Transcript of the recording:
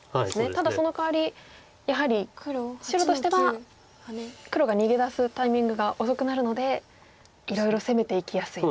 ただそのかわりやはり白としては黒が逃げ出すタイミングが遅くなるのでいろいろ攻めていきやすいと。